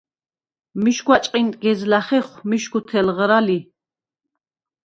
მიშგვა ჭყინტგეზლა̈ ხეხვ მიშგუ თელღრა ლი.